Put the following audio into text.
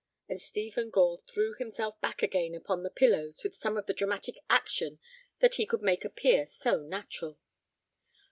And Stephen Gore threw himself back again upon the pillows with some of the dramatic action that he could make appear so natural.